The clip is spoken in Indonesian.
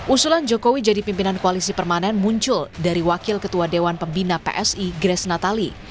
usulan jokowi jadi pimpinan koalisi permanen muncul dari wakil ketua dewan pembina psi grace natali